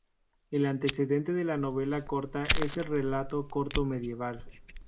El antecedente de la novela corta es el relato corto medieval.